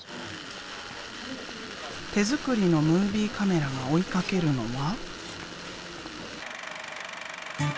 手作りのムービーカメラが追いかけるのは。